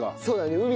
そうだね。